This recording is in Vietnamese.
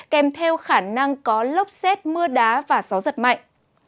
kèm theo khả năng có lốc xét mưa đá và gió giật mạnh